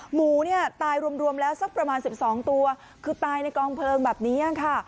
หมูเนี่ยตายรวมแล้วสักประมาณ๑๒ตัวคือตายในกองเพลิงแบบนี้ค่ะ